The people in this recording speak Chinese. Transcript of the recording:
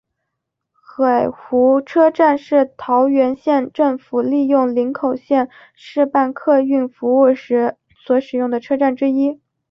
海湖车站是桃园县政府利用林口线试办客运服务时所使用的车站之一。